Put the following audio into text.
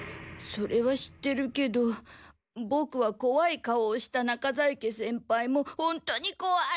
それは知ってるけどボクはこわい顔をした中在家先輩もほんとにこわい。